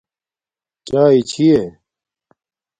چایݵے چھی یے